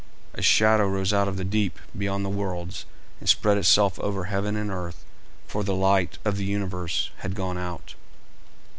A shadow rose out of the deep beyond the worlds and spread itself over heaven and earth, for the light of the universe had gone out.